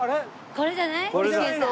これじゃないの？